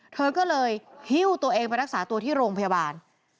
เธอก็เลยหิ้วตัวเองไปรักษาตัวที่โรงพยาบาล